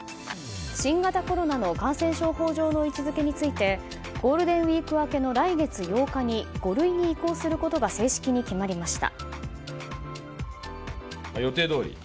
新型コロナの感染症法上の位置づけについてゴールデンウィーク明けの来月８日に５類に移行することが正式に決まりました。